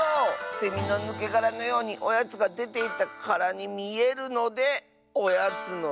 セミのぬけがらのようにおやつがでていったからにみえるので「おやつのぬけがら」！